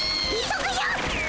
急ぐよ！